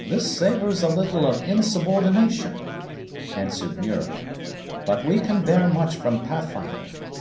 "This savors a little of insubordination," answered Muir; "but we can bear much from Pathfinder.